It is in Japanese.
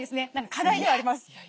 課題ではあります。